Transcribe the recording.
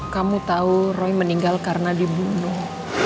kamu tahu roy meninggal karena dibunuh